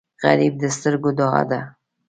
غریب د سترګو دعا ده